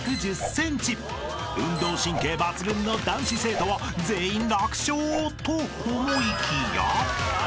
［運動神経抜群の男子生徒は全員楽勝と思いきや］